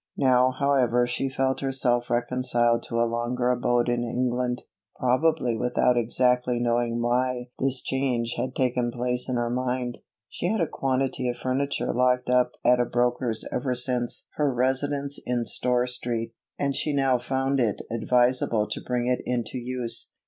Now however she felt herself reconciled to a longer abode in England, probably without exactly knowing why this change had taken place in her mind. She had a quantity of furniture locked up at a broker's ever since her residence in Store street, and she now found it adviseable to bring it into use.